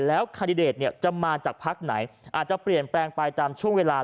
แล้วคาดิเดตจะมาจากพักไหนอาจจะเปลี่ยนแปลงไปตามช่วงเวลา